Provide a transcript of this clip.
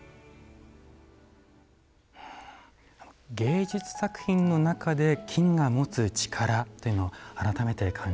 芸術作品の中で金が持つ力というのを改めて感じました。